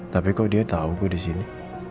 tapi kok dia tau gue disini